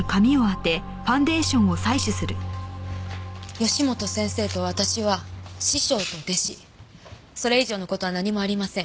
義本先生と私は師匠と弟子それ以上の事は何もありません。